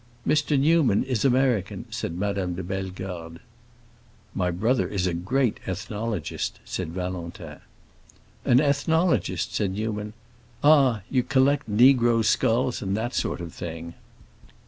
"Mr. Newman is American," said Madame de Bellegarde. "My brother is a great ethnologist," said Valentin. "An ethnologist?" said Newman. "Ah, you collect negroes' skulls, and that sort of thing."